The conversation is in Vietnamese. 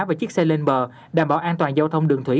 và chiếc xe lên bờ đảm bảo an toàn giao thông đường thủy